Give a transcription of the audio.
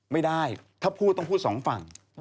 ไม่ได้ถ้าพูดต้องพูดสองฝั่ง